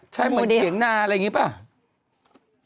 ใช่เหมือนเถียงนาอะไรอย่างนี้ป่ะ